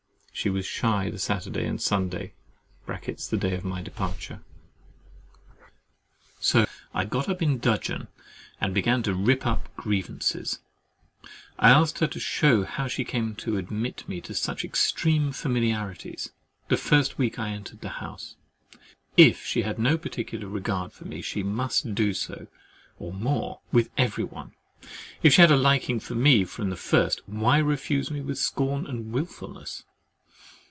She was shy the Saturday and Sunday (the day of my departure) so I got in dudgeon, and began to rip up grievances. I asked her how she came to admit me to such extreme familiarities, the first week I entered the house. "If she had no particular regard for me, she must do so (or more) with everyone: if she had a liking to me from the first, why refuse me with scorn and wilfulness?"